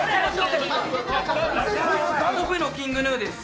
オフのＫｉｎｇＧｎｕです。